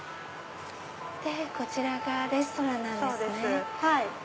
こちらがレストランなんですね。